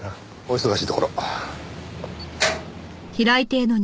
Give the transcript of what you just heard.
お忙しいところ。